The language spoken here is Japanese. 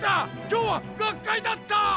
今日は学会だった！